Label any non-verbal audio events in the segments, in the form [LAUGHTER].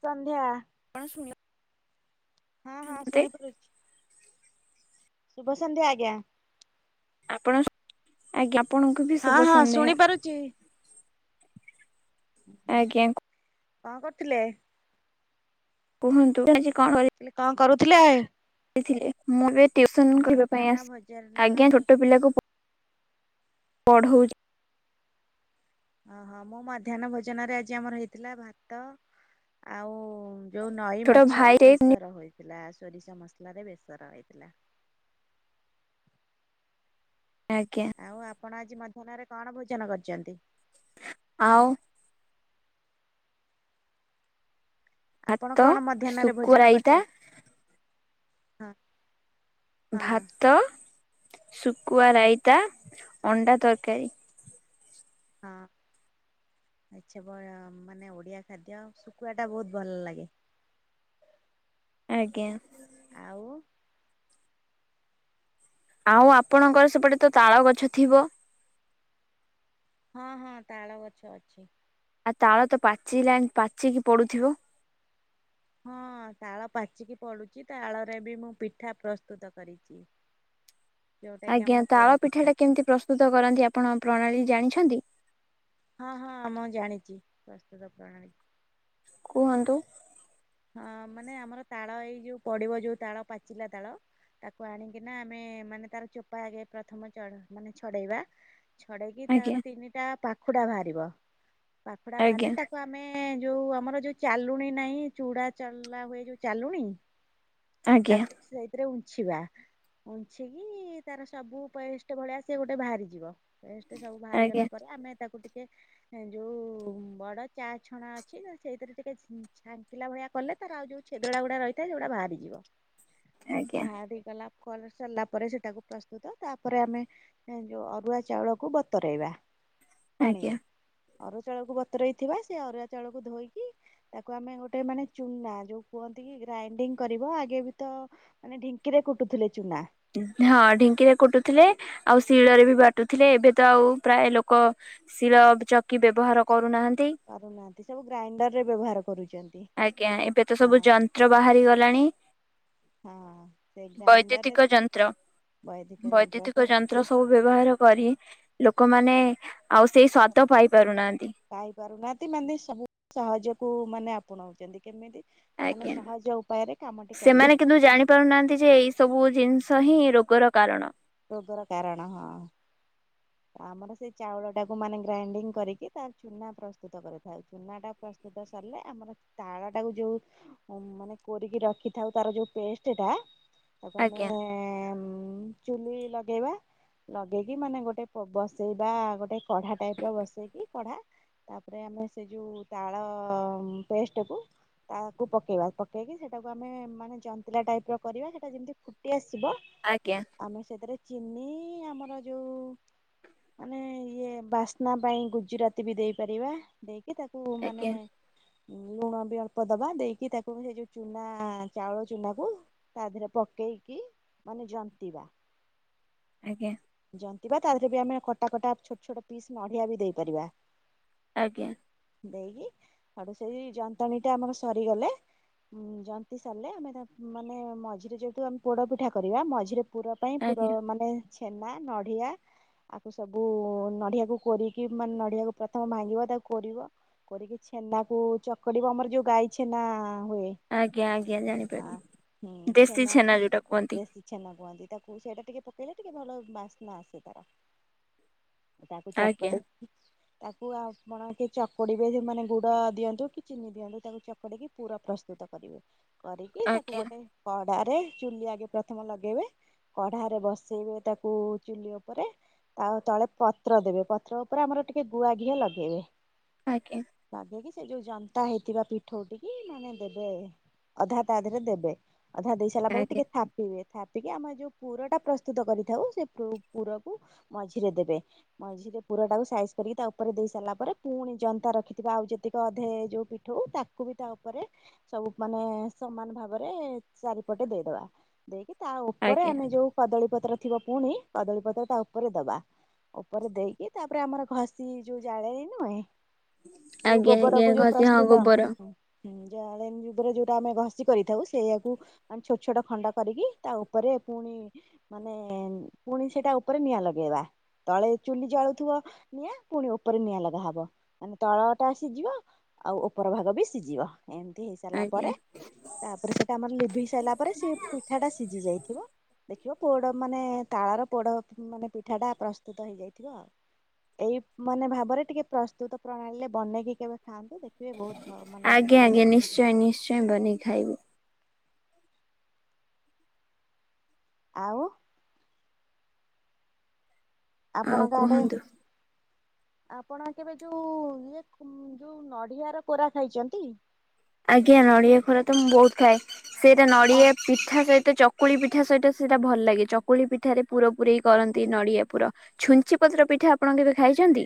ସନ୍ଧ୍ୟା। କଣ [UNINTELLIGIBLE] ହଁ ହଁ ଶୁଣିପାରୁଛି ଶୁଭ ସନ୍ଧ୍ୟା ଆଜ୍ଞା। ଆପଣ ଆଜ୍ଞା ଆପଣଙ୍କୁ ବି ହଁ ଶୁଭ ହଁ ସନ୍ଧ୍ୟା ଶୁଣି ପାରୁଛି। [INAUDIBLE] ଆଜ୍ଞା। କଣ କରୁଥିଲେ? କୁହନ୍ତୁ ଆଜି କଣ କରି ମୁଁ କହିଲି କଣ କରୁଥିଲେ? ସେଥିଲେ ମୁଁ ଏବେ ଟିଉସନ କରିବା ପାଇଁ ମଧ୍ୟାହ୍ନ ଆସିଛି। ଆଜ୍ଞା ଭୋଜନରେ ଛୋଟ ପିଲାକୁ ପଢ଼ଉ ଓହ ମୋ ମଧ୍ୟାହ୍ନ ଭୋଜନରେ ଆଜି ଆମର ହେଇଥିଲା ଭାତ ଆଉ ଯୋଉ ନଈ ଛୋଟ ମାଛ ଭାଇ ବେସର ହୋଇଥିଲା ସୋରିଷ ମସଲାରେ ବେସର ହୋଇଥିଲା। ଆଜ୍ଞା। ଆଉ ଆପଣ ଆଜି ମଧ୍ୟାହ୍ନରେ କଣ ଭୋଜନ କରିଛନ୍ତି? ଆଉ ଆପଣ ଭାତ କଣ ମଧ୍ୟାହ୍ନରେ ଶୁଖୁଆ ଭୋଜନ ରାଇତା କରିଛନ୍ତି? ହଁ। ହଁ। ଭାତ, ଶୁଖୁଆ ରାଇତା, ଅଣ୍ଡା ତରକାରୀ। ହଁ। ଆଛା ଭ ମାନେ ଓଡ଼ିଆ ଖାଦ୍ୟ ଶୁଖୁଆଟା ବହୁତ ଭଲ ଲାଗେ। ଆଜ୍ଞା। ଆଉ ଆଉ ଆପଣଙ୍କର ସେପଟେ ତ ତାଳ ଗଛ ଥିବ? ହଁ ହଁ ତାଳ ଗଛ ଅଛି। ଆଉ ତାଳ ତ ପାଚିଲାଣି ପାଚିକି ପଡୁଥିବ। ହଁ ତାଳ ପାଚିକି ପଡୁଛି ତାଳରେ ବି ମୁଁ ପିଠା ପ୍ରସ୍ତୁତ କରିଛି। ଯୋଉଟା କି ଆଜ୍ଞା ଆମର ପୋଡ ତାଳ ପିଠା ପିଠାଟା କେମିତି ପ୍ରସ୍ତୁତ କରନ୍ତି ଆପଣ ପ୍ରଣାଳୀ ଜାଣିଛନ୍ତି? ହଁ ହଁ ମୁଁ ଜାଣିଛି ପ୍ରସ୍ତୁତ ପ୍ରଣାଳୀ। କୁହନ୍ତୁ। ହଁ ମାନେ ଆମର ତାଳ ଏଇ ଯୋଉ ପଡିବ ଯୋଉ ତାଳ ପାଚିଲା ତାଳ ତାକୁ ଆଣିକିନା ଆମେ ମାନେ ତାର ଚୋପା ଆଗେ ପ୍ରଥମ ଚନ୍ ମାନେ ଛଡ଼େଇବା। ଛଡେଇକି ଆଜ୍ଞା ତାର ତିନିଟା ପାଖୁଡା ବାହାରିବ ପାଖୁଡା ଆଜ୍ଞା ବାହାରିଲେ ତା ତାକୁ ଆମେ ଯୋଉ ଆମର ଯୋଉ ଚାଲୁଣି ନାହିଁ ଚୁଡା ଚଲା ହୁଏ ଯୋଉ ଚାଲୁଣି ଆଜ୍ଞା ତାକୁ ସେଇଥିରେ ଉଁଞ୍ଛିବା। ଉଁଞ୍ଛିକି ତାର ସବୁ ପେଷ୍ଟ ଭଳିଆ ସେ ଗୋଟେ ବାହାରିଯିବ। ପେଷ୍ଟ ସବୁ ବାହାରିଗଲା ଆଜ୍ଞା ପରେ ଆମେ ତାକୁ ଟିକେ ଏ ଯୋଉ ବଡ଼ ଚା ଛଣା ଅଛି ନା ସେଇଥିରେ ଟିକେ ଛାଙ୍କିଲା ଭଳିଆ କଲେ ତାର ଆଉ ଛେଦଡ଼ା ଗୁଡା ରହିଥାଏ ସେଗୁଡା ବାହାରିଯିବ। ଆଜ୍ଞା ବାହାରି ଗଲା କଲ ସରିଲା ପରେ ସେଟାକୁ ପ୍ରସ୍ତୁତ ତାପରେ ଆମେ ଯୋଉ ଅରୁଆ ଚାଉଳକୁ ବତରେଇବା ଆଜ୍ଞା ପାଣିରେ। ଅରୁଆ ଚାଉଳକୁ ବତରେଇଥିବା ସେ ଅରୁଆ ଚାଉଳକୁ ଧୋଇକି ତାକୁ ଆମେ ଗୋଟେ ମାନେ ଚୁନା ଯୋଉ କୁହନ୍ତି କି ଗ୍ରାଇଣ୍ଡିଙ୍ଗ କରିବ ଆଗେ ବି ତ ମାନେ ଢିଙ୍କିରେ କୁଟୁଥିଲେ ଚୁନା। ହଁ ଢିଙ୍କିରେ କୁଟୁଥିଲେ ଆଉ ଶିଳରେ ବି ବାଟୁଥିଲେ। ଏବେ ତ ଆଉ ପ୍ରାୟ ଲୋକ ଶିର ଚକି ବ୍ୟବହାର କରୁନାହାନ୍ତି। ପାରୁନାହାନ୍ତି ସବୁ ଗ୍ରାଇଣ୍ଡରରେ ବ୍ୟବହାର କରୁଛନ୍ତି। ଆଜ୍ଞା ଏବେ ତ ହଁ ସବୁ ଯନ୍ତ୍ର ବାହାରି ଗଲାଣି। ହଁ ସେ ଗ୍ରାଇଣ୍ଡରରେ ବୈଦ୍ୟୁତିକ ବୈଦିକ ଯନ୍ତ୍ର ବୈଦିକ ସେ ଯନ୍ତ୍ର ସବୁ ବ୍ୟବହାର କରି ଲୋକମାନେ ଆଉ ସେଇ ସ୍ଵାଦ ପାଇପାରୁନାହାନ୍ତି। ପାଇପାରୁନାହାନ୍ତି ମାନେ ସବୁ ସହଜକୁ ମାନେ ଆପଣାଉଛନ୍ତି କେମିତି ମାନେ ଆଜ୍ଞା ସହଜ ଉପାୟରେ କାମଟି କରିବେ। ବୁଝିପାରୁନାହାନ୍ତି ଯେ ଏଇ ସବୁ ଜିନିଷ ହିଁ ରୋଗର କାରଣ। ରୋଗର କାରଣ ହଁ। ଆମର ସେଇ ଚାଉଳଟାକୁ ମାନେ ଗ୍ରାଇଣ୍ଡିଙ୍ଗ କରିକି ତା ଚୁନା ପ୍ରସ୍ତୁତ କରିଥାଉ। ଚୁନାଟା ପ୍ରସ୍ତୁତ ସରିଲେ ଆମର ତାଳ ଟାକୁ ଯୋଉ ଉମ୍ ମାନେ କୋରିକି ରଖିଥାଉ ତାର ଯୋଉ ପେଷ୍ଟେଟା ତାକୁ ଆଜ୍ଞା ଆମେ ଚୁଲି ଲଗେଇବା ଲଗେଇକି ମାନେ ଗୋଟେ ବସେଇବା ଗୋଟେ କଢା ଟାଇପ୍ ର ବସେଇକି କଢା ତାପରେ ଆମେ ସେ ଯେଉଁ ତାଳ ପେଷ୍ଟକୁ ତାକୁ ପକେଇବା ପକେଇକି ସେଇଟାକୁ ଆମେ ମାନେ ଯନ୍ତିଲା ଟାଇପ୍ ର କରିବା ସେଇଟା ଯେମିତି ଫୁଟି ଆସିବ। ଆଜ୍ଞା। ଆମେ ସେଥିରେ ଚିନି ଆମର ଯୋଉ ମାନେ ଇଏ ବାସ୍ନା ପାଇଁ ଗୁଜୁରାତି ବି ଦେଇପାରିବା। ଦେଇ କି ତାକୁ ମାନେ ଆଜ୍ଞା ଲୁଣ ବି ଅଳ୍ପ ଦବା ଦେଇକି ତାକୁ ସେ ଯୋଉ ଚୁନା ଚାଉଳ ଚୁନାକୁ ତା ଦେହରେ ପକେଇକି ମାନେ ଜନ୍ତିବା। ଆଜ୍ଞା। ଜନ୍ତିବା ତା ଦେହରେ ବି ଆମେ କଟା କଟା ଛୋଟ ଛୋଟ ପିସ୍ ନଡ଼ିଆ ବି ଦେଇପାରିବା। ଆଜ୍ଞା। ଦେଇକି ଆଡୁ ସେଇ ଯନ୍ତଣୀ ଟା ଆମର ସରିଗଲେ ଜନ୍ତି ସରିଲେ ଆମେ ତା ମାନେ ମଝିରେ ଯେହେତୁ ଆମେ ପୋଡ଼ ପିଠା କରିବା ମଝିରେ ପୁର ପାଇଁ ପୁର ଆଜ୍ଞା ମାନେ ଛେନା ନଡ଼ିଆ ଆକୁ ସବୁ ନଡ଼ିଆକୁ କୋରିକି ମାନେ ନଡ଼ିଆକୁ ପ୍ରଥମ ଭାଙ୍ଗିବ ତାକୁ କୋରିବ। କରିକି ଛେନାକୁ ଚକଡିବ ଆମର ଯୋଉ ଗାଈ ଛେନା ହୁଏ। ଆଜ୍ଞା ଆଜ୍ଞା ହଁ। ହୁଁ ଜାଣିପାରିଲି। ଦେଶୀ ଛେନା ଯୋଉଟା କୁହନ୍ତି। ଦେଶୀ ଛେନା କୁହନ୍ତି ତାକୁ, ସେଇଟା ଟିକେ ପକେଇଲେ ଟିକେ ଭଲ ବାସ୍ନା ଆସେ ତାର। ତାକୁ ଆଜ୍ଞା ଚକଡେଇକି, ତାକୁ ଆପଣ କେ ଚକୁଡିବେ, ମାନେ ଗୁଡ ଦିଅନ୍ତୁ କି ଚିନି ଦିଅନ୍ତୁ, ତାକୁ ଚକୁଡିକି ପୁର ପ୍ରସ୍ତୁତ କରିବେ। କରିକି, ତାକୁ ଆଜ୍ଞା ଗୋଟେ କଡ଼ାରେ, ଚୁଲି ଆଗେ ପ୍ରଥମ ଲଗେଇବେ କଢାରେ ବସେଇବେ ତାକୁ ଚୁଲି ଉପରେ ତା ତଳେ ପତ୍ର ଦେବେ, ପତ୍ର ଉପରେ ଆମର ଟିକେ ଗୁଆ ଘିଅ ଲଗେଇବେ। ଆଜ୍ଞା। ଲଗେଇକି, ସେ ଯୋଉ ଜନ୍ତା ହେଇଥିବା ପିଠଉ ଟିକି ମାନେ ଦେବେ ଅଧା ତା ଦେହରେ ଦେବେ, ଅଧା ଦେଇ ସାରିଲା ପରେ ଆଜ୍ଞା ଟିକେ ଥାପିବେ ଥାପିକି, ଆମେ ଯୋଉ ପୁର ଟା ପ୍ରସ୍ତୁତ କରିଥାଉ, ସେ ପୁରକୁ ମଝିରେ ଦେବେ। ମଝିରେ ପୁର ଟାକୁ ସାଇସ୍ କରିକି ତା ଉପରେ ଦେଇ ସାରିଲା ପରେ, ପୁଣି ଜନ୍ତା ରଖିଥିବା ଆଉ ଯେତିକି ଅଧେ ଯୋଉ ପିଠଉ, ତାକୁ ବି ତା ଉପରେ ସବୁ ମାନେ, ସମାନ ଭାବରେ, ଚାରିପଟେ ଦେଇଦବା। ଦେଇକି, ତା ଉପରେ ଆଜ୍ଞା ଆମେ ଯୋଉ କଦଳୀ ପତ୍ର ଥିବ ପୁଣି, କଦଳୀ ପତ୍ର ତା ଉପରେ ଦବା। ଉପରେ ଦେଇକି, ତାପରେ ଆମର ଘଷି ଯୋଉ ଜାଳେଣି ନୁହେଁ ଯଉ ଆଜ୍ଞା ଆଜ୍ଞା ଗୋବଡକୁ ଯୋଉ ଘଷି ହଁ ପ୍ରସ୍ତୁତ ଗୋବର ହୁଁ, ଜାଳେନି ଯୁଗରେ ଯୋଉଟା ଆମେ ଘଷି କରିଥାଉ, ସେଇଆକୁ ମାନେ ଛୋଟ ଛୋଟ ଖଣ୍ଡ କରିକି, ତା ଉପରେ ପୁଣି ମାନେ, ପୁଣି ସେଇଟା ଉପରେ ନିଆଁ ଲଗେଇବା। ତଳେ ଚୁଲି ଜାଳୁଥିବ ନିଆଁ, ପୁଣି ଉପରେ ନିଆଁ ଲଗାହବ। ମାନେ ତଳ ଟା ସିଝିବ, ଆଉ ଉପର ଭାଗ ବି ସିଝିବ, ଏମିତି ହେଇ ସାରିଲା ଆଜ୍ଞା ପରେ ତାପରେ, ସେଇଟା ଆମର ଲିଭେଇ ସାରିଲା ପରେ, ସେ ପିଠାଟା ସିଝି ଯାଇଥିବ। ଦେଖିବ ପୋଡ଼, ମାନେ ତାଳର ପୋଡ଼ ମାନେ ପିଠାଟା ପ୍ରସ୍ତୁତ ହେଇଯାଇଥିବ ଆଉ। ଏଇ ମାନେ ଭାବରେ ଟିକେ ପ୍ରସ୍ତୁତ ପ୍ରଣାଳୀରେ ବନେଇକି କେବେ ଖାଆନ୍ତୁ, ଦେଖିବେ ବହୁତ ମାନେ ବଢିଆ ଲାଗିବ। ଚାଇନିସ୍। ଏଁ, ବନେଇକି ଖାଇବୁ? ଆଉ ଆଉ ଆପଣଙ୍କ ଆଡେ କୁହନ୍ତୁ ଆପଣ କେବେ ଯୋଉ, ଇଏ ଯୋଉ ନଡ଼ିଆର କୋରା ଖାଇଚନ୍ତି? ଆଜ୍ଞା, ନଡ଼ିଆ ଖରା ତ ମୁଁ ବହୁତ ଖାଏ, ସେଇଟା ନଡ଼ିଆ ପିଠା ସ ତ ଚକୁଳି ପିଠା ସହିତ ସେଇଟା ଭଲ ଲାଗେ, ଚକୁଳି ପିଠାରେ ପୁର ପୁରେଇକି କରନ୍ତି ନଡିଆ ପୁର। ଛୁଞ୍ଚି ପତ୍ର ପିଠା ଆପଣ କେବେ ଖାଇଚନ୍ତି?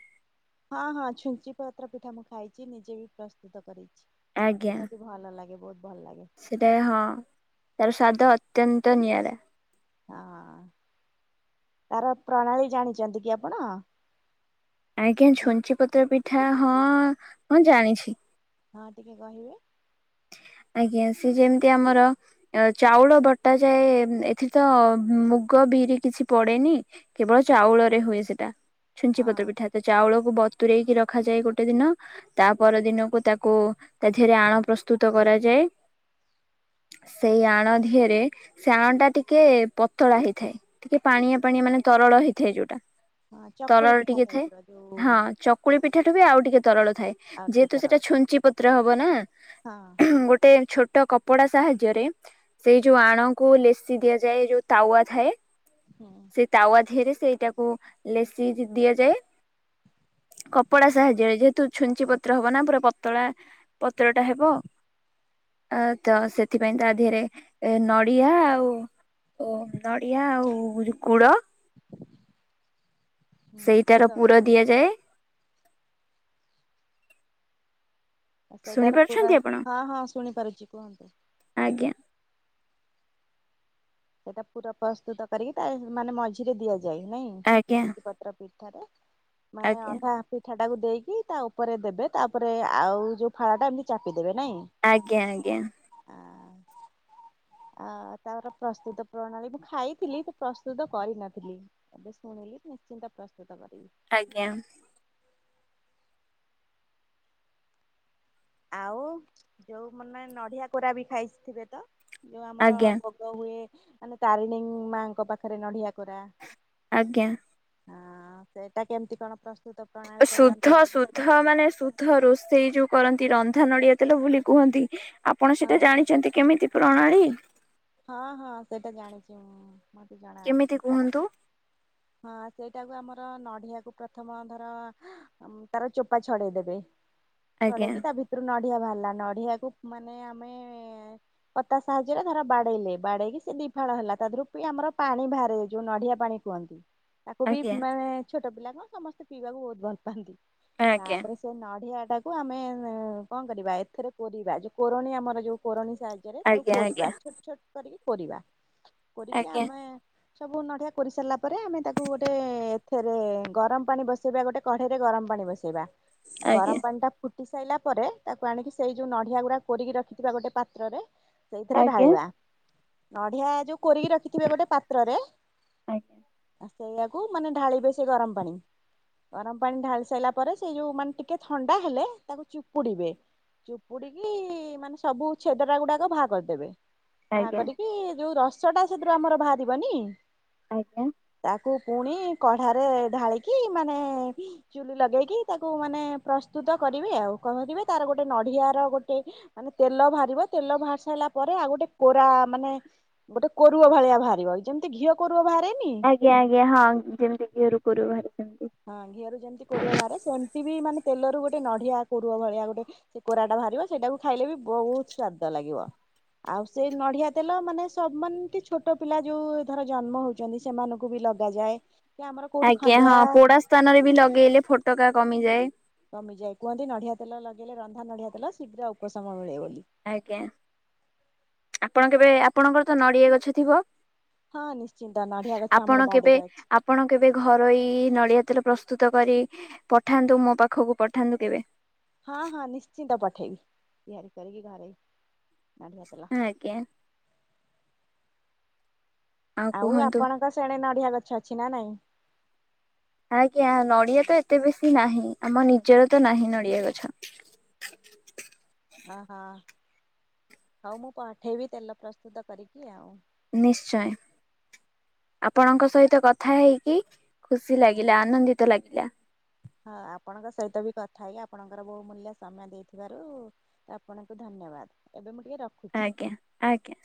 ହଁ ହଁ, ଛୁଞ୍ଚି ପତ୍ର ପିଠା ମୁଁ ଖାଇଛି, ନିଜେ ବି ପ୍ରସ୍ତୁତ କରିଚି। ଆଜ୍ଞା ସେଟା ବି ଭଲ ଲାଗେ, ବହୁତ ଭଲ ଲାଗେ। ସେଟା ହଁ, ତାର ସ୍ଵାଦ ଅତ୍ୟନ୍ତ ନିଆରା। ହଁ, ତାର ପ୍ରଣାଳୀ ଜାଣିଛନ୍ତି କି ଆପଣ? ଆଜ୍ଞା, ଝୁଞ୍ଚି ପତ୍ର ପିଠା ହଁ, ହଁ ଜାଣିଛି। ହଁ, ଟିକେ କହିବେ? ଆଜ୍ଞା, ସେ ଯେମିତି ଆମର ଚାଉଳ ବଟାଯାଏ, ଏଥିରେ ତ ମୁଗ ବିରି କିଛି ପଡେନି କେବଳ ଚାଉଳରେ ହୁଏ ସେଟା, ଛୁଞ୍ଚି ହଁ ପତ୍ର ପିଠା। ତ, ଚାଉଳକୁ ବତୁରଇକି ରଖାଯାଏ ଗୋଟେ ଦିନ ତା ପର ଦିନକୁ ତାକୁ, ତା ଦେହରେ ଆଣ ପ୍ରସ୍ତୁତ କରାଯାଏ। ସେଇ ଆଣ ଧିଅରେ, ସେ ଆଣ ଟା ଟିକେ ପତଳା ହେଇଥାଏ। ଟିକେ ପାଣିଆ ପାଣିଆ ମାନେ ତରଳ ହେଇଥାଏ ଯୋଉଟା ହଁ ଚକୁଳି ତରଳ ପିଠା ଟିକେ ଟାଇପ ଥାଏ ର ଯୋଉ ହଁ କୁକୁଳି ପିଠାଠୁ ବି ଆଉ ଟିକେ ତରଳ ଥାଏ ଆଉ ଯେହେତୁ କେତେରଳ ସେଟା ଛୁଞ୍ଚି ପତ୍ର ହବ ନା ହଁ। ଗୋଟେ ଛୋଟ କପଡ଼ା ସାହାଯ୍ୟରେ ସେଇ ଯୋଉ ଆଣକୁ ଲେସିି ଦିଆଯାଏ ଯୋଉ ତାୱା ଥାଏ। ହୁଁ। ସେଇ ତାୱାରେ ସେଇଟାକୁ ଲେସିି ଦିଆଯାଏ। କପଡା ସାହାଯ୍ୟରେ ଯେହେତୁ ଛୁଞ୍ଚି କପଡା ପତ୍ର ହବ ନା ପୁରା ପତଳା ପତ୍ର ଟା ହେବ। ଅ ତ ସେଥିପାଇଁ ତା ଦେହରେ ଏ ନଡିଆ ଆଉ ଓ ନଡ଼ିଆ ଆଉ କୁଡ଼। ସେଇଟାର ପୁର ଦିଆଯାଏ। ଶୁଣି ସେଇଟାର ପୁରା ପାରୁଛନ୍ତି ଆପଣ ହଁ ହଁ ଶୁଣିପାରୁଛି କୁହନ୍ତୁ। ଆଜ୍ଞା। ସେଇଟା ପୁରା ପ୍ରସ୍ତୁତ କରିକି ତା ମାନେ ମଝିରେ ଦିଆଯାଏ ନାଇଁ ଆଜ୍ଞା ଛୁଟି ପତ୍ର ପିରେ ମାନେ ଆଜ୍ଞା ଅଧା ପିଠା। ମିିଠାଟାକୁ ଦେଇକି ତା ଉପରେ ଦେବେ ତାପରେ ଆଉ ଯେଉଁ ଫାଳଟା ଏମିତି ଚାପିଦେବେ ନାଇଁ? ଆଜ୍ଞା ଆଜ୍ଞା। ଆ ତାପାର ପ୍ରସ୍ତୁତ ପ୍ରଣାଳୀ ମୁଁ ଖାଇଥିଲି ତ ପ୍ରସ୍ତୁତ କରିନଥିଲି। ଏବେ ଶୁଣିଲି ନିଶ୍ଚିନ୍ତ ପ୍ରସ୍ତୁତ କରିବି। ଆଜ୍ଞା। ଆଉ ଯୋଉ ମାନେ ନଡିଆ କୋରା ବି ଖାଇଥିବେ ତ ଯୋଉ ଆମର ଆଜ୍ଞା ହୁଏ ମାନେ ତାରିଣୀ ମାଙ୍କ ପାଖରେ ନଡିିଆ କରା ଆଜ୍ଞା। ହଁ ସେଇଟା କେମିତି କଣ ପ୍ରଶ୍ନ ଶୁଦ୍ଧ ଶୁଦ୍ଧ। ସୁଧ ମାନେ ସୁଧ ରୋଷେଇ ଯୋଉ କରନ୍ତି ରନ୍ଧା ନଡିଆ ତେଲ ବୋଲି କୁହନ୍ତି। ଆପଣ ହଁ ସେଇଟା ଜାଣିଛନ୍ତି କେମିତି ପ୍ରଣାଳୀ? ହଁ ହଁ ସେଇଟା ଜାଣିଛିଁ ମତେ ଜଣା କେମିତି ଅଛି ତାର କୁହନ୍ତୁ? ହଁ ସେଇଟାକୁ ଆମର ନ଼ଆକୁ ପ୍ରଥମ ଧର ତାର ଚୋପା ଛଡେଇଦେବେ ଆଜ୍ଞା ଛଡେଇକି ତା ଭିତ ତାଥିରୁ ନଡିଆ ବାହାରିଲା ନଡିଆକୁ ମାନେ ଆମେ ପତା ସାହାଯ୍ୟରେ ଧର ବାଡେଇଲେ ବାଡେଇକି ସେ ଦିଫାଳ ହେଲା ତା ଧରରୁ ଆମର ପାଣି ବାହାରେ ଯୋଉ ନଡିଆ ପାଣି କୁହନ୍ତି। ତାକୁ ବି ଆଜ୍ଞା ମାନେ ଛୋଟ ପିଲା କଣ ସମସ୍ତେ ପିଇବାକୁ ବହୁତ ଭଲ ପାଆନ୍ତି ଆଜ୍ଞା ତାପରେ [UNINTELLIGIBLE] ତାକୁ କରିବା ଆଜ୍ଞା ଆଜ୍ଞା ଛୋଟ ଛୋଟ କରିକି କରିବା କରିକି ଆଜ୍ଞା ଆମେ ସବୁ ନଡିଆ କୋରିସାରିଲା ପରେ ଆମେ ତାକୁ ଗୋଟେ ଏଥିରେ ଗରମ ପାଣି ବସେଇବା ଗୋଟେ କଢେଇରେ ଗରମ ପାଣି ବସେଇବା। ଆଜ୍ଞା ଗରମ ପାଣିଟା ଫୁଟି ସାଇଲା ପରେ ତାକୁ ଆଣିକି ସେଇ ଯୋଉ ନଡିଆ ଗୁଡା କୋରିକି ରଖିଥିବା ଗୋଟେ ପାତ୍ରରେ ସେଇଥିରେ ଆଜ୍ଞା ଢାଳିବା ନଡ଼ି଼ଆ ଯୋଉ କୋରିକି ରଖିଥିବେ ଗୋଟେ ପାତ୍ରରେ ଆଜ୍ଞା। ସେଇଆକୁ ମାନେ ଢାଳିବେ ସେ ଗରମ ପାଣି ଗରମ ପାଣି ଢାଳି ସାରିଲା ପରେ ସେ ଯୋଉ ମାନେ ଟିକେ ଥଣ୍ଡା ହେଲେ ତାକୁ ଚିପୁଡିବେ। ଚୁପୁଡିକି ମାନେ ସବୁ ଛେଦରା ଗୁଡାକ ବାହାର କରିଦେବେ। ବାହା ଆଜ୍ଞା କରିକି ଯୋଉ ରସ ଟା ସେଥିରୁ ଆମର ବାହରିବନି ଆଜ୍ଞା। ତାକୁ ପୁଣି କଢାରେ ଢାଳିକି ମାନେ ଚୁଲି ଲଗେଇକି ତାକୁ ମାନେ ପ୍ରସ୍ତୁତ କରିବେ ଆଉ କହ କିମି ତାର ଗୋଟେ ନଡିଆ ର ଗୋଟେ ମାନେ ତେଲ ବାହାରିବ ତେଲ ବାହାରି ସାରିଲା ପରେ ଆଉ ଗୋଟେ କୋରା ମାନେ ଗୋଟେ କୋରୁଅ ଭଳିଆ ବାହାରିବ ଯେମିତି ଘିଅ କୋରୁଅ ବାହାରେ? ଆଜ୍ଞା ଆଜ୍ଞା ହଁ ଯେମତି ଘିଅରୁ କୋରୁଅ ବାହାରେ। ହଁ ଘିଅରୁ ଯେମିତି କୋରୁଅ ବାହାରେ ସେମିତି ବି ମାନେ ତେଲରୁ ଗୋଟେ ନଡିଆ କୋରୁଅ ଭଳିଆ ଗୋଟେ ସେ କୋରାଟା ବାହାରିବ ସେଇଟାକୁ ଖାଇଲେ ବି ବହୁତ ସ୍ଵାଦ ଲାଗିବ। ଆଉ ସେ ନଡିଆ ତେଲ ମାନେ ସବ ମାନେ ଏମତି ଛୋଟ ପିଲା ଯୋଉ ଧର ଜନ୍ମ ହଉ ଚନ୍ତି ସେମାନଙ୍କୁ ବି ଲଗାଯାଏ କି ଆମର କୋଉଠି ଆଜ୍ଞା ଖଣ୍ଡିଆ ହଁ ପୋଡା ସ୍ଥାନରେ ବି ଲଗେଇଲେ ଫୋଟକା କମିଯାଏ। କମିଯାଏ କୁହନ୍ତି ନଡିଆ ତେଲ ଲଗେଇଲେ ରନ୍ଧା ନଡିଆ ତେଲ ଶୀଘ୍ର ଉପଶମ ମିଳେ ବୋଲି। ଆଜ୍ଞା ଆପଣ କେବେ ଆପଣଙ୍କର ତ ନଡ଼ିଆ ଗଛ ଥିବ? ହଁ ନିଶ୍ଚିନ୍ତ ନଡିଆଗଛ ଆପଣ ଆମର କେବେ ବାଡ଼ିରେ ଅଛି। ଆପଣ କେବେ ଘରୋଇ ନଡ଼ିଆ ତେଲ ପ୍ରସ୍ତୁତ କରି ପଠାନ୍ତୁ ମୋ ପାଖକୁ ପଠାନ୍ତୁ କେବେ। ହଁ ହଁ ନିଶ୍ଚିନ୍ତ ପଠେଇବି ତିଆରି କରିକି ଘରେ। ନଡିଆ ତେଲ ହଁ ଆଜ୍ଞା। ଆଉ ଆପଣଙ୍କ ସିଆଡ଼େ ନଡିଆ ଗଛ ଅଛି ନା ନାଇଁ? ଆଜ୍ଞା ନଡିଆ ତ ଏତେ ବେଶୀ ନାହିଁ ଆମ ନିଜର ତ ନାହିଁ ନଡିଆ ଗଛ। ଅ ହ ହଉ ମୁଁ ପଠେଇବି ତେଲ ପ୍ରସ୍ତୁତ କରିକି ଆଉ। ନିଶ୍ଚୟ। ଆପଣଙ୍କ ସହିତ କଥା ହେଇକି ଖୁସି ଲାଗିଲା ଆନନ୍ଦିତ ଲାଗିଲା। ହଁ ଆପଣଙ୍କ ସହିତ ବି କଥା ହେଇକି ଆପଣଙ୍କର ବହୁ ମୂଲ୍ୟ ସମୟ ଦେଇଥିବାରୁ ତ ଆପଣଙ୍କୁ ଧନ୍ୟବାଦ ଏବେ ମୁଁ ଟିକେ ରଖ ଆଜ୍ଞା ଆଜ୍ଞା।